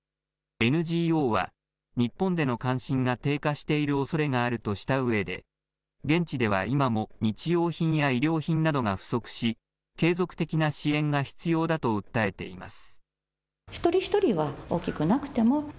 ＮＧＯは日本での関心が低下しているおそれがあるとしたうえで、現地では今も、日用品や医療品などが不足し、継続的な支援が必要だと訴えています。